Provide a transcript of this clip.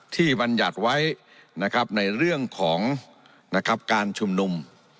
ที่มันหยัดไว้ในเรื่องของการชุมนุม